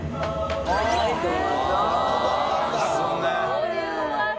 ボリュームある！